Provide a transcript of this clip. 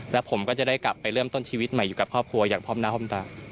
แล้วผมก็จะได้กลับไปเริ่มต้นชีวิตใหม่อยู่กับครอบครัวอย่างพร้อมหน้าพร้อมตา